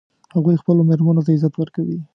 هغوی خپلو میرمنو ته عزت ورکوي